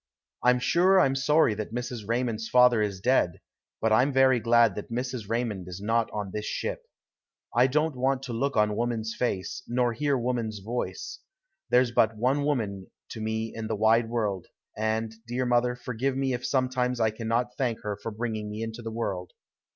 I'm sure I'm sorry that Mrs. Raymond's father is dead, but I'm very glad that Mrs. Raymond is not on this ship. I don't want to look on woman's face, nor hear woman's voice. There's but one woman to me in the wide world, and, dear mother, forgive me if sometimes I cannot thank her for bringing me into the world.